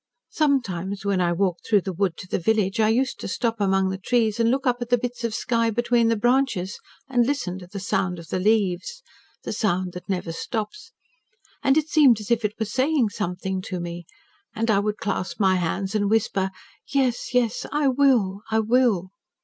Sometimes when I walked through the wood to the village, I used to stop among the trees and look up at the bits of sky between the branches, and listen to the sound in the leaves the sound that never stops and it seemed as if it was saying something to me. And I would clasp my hands and whisper, 'Yes, yes,' 'I will,' 'I will.'